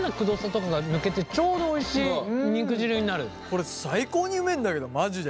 これ最高にうめえんだけどマジで。